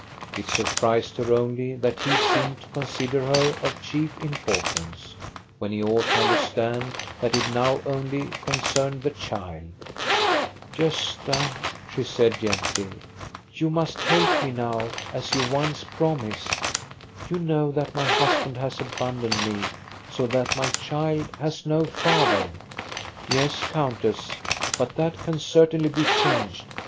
It surprised her only that he seemed to consider her of chief impor tance, when he ought to understand that it now only concerned the child. "Gosta," she said gently, "you must help me now, as you once promised. You know that my husband has abandoned me, so that my child has no father." " Yes, countess ; but that can certainly be changed.